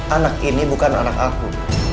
anak ini bukan anak aku